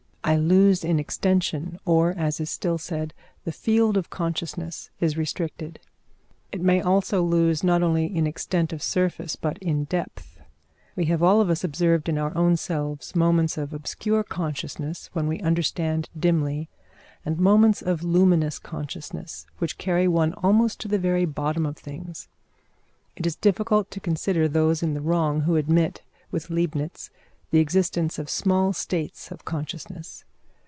I lose in extension, or, as is still said, the field of consciousness is restricted. It may also lose not only in extent of surface, but in depth. We have all of us observed in our own selves moments of obscure consciousness when we understand dimly, and moments of luminous consciousness which carry one almost to the very bottom of things. It is difficult to consider those in the wrong who admit, with Leibnitz, the existence of small states of consciousness.